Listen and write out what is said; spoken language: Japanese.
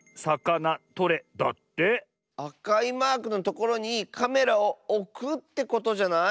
あかいマークのところにカメラをおくってことじゃない？